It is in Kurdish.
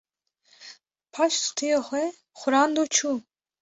Paş stûyê xwe xurand û çû